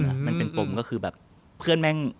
มันเป็นปมก็คือแบบเพื่อนแม่ง